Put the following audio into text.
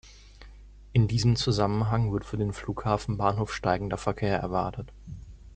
In diesem Zusammenhang wird für den Flughafenbahnhof steigender Verkehr erwartet.